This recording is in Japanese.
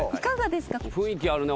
雰囲気あるね